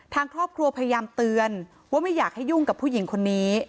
ทางครอบครัวพยายามเตือนว่าไม่อยากให้ยุ่งกับผู้หญิงคนนี้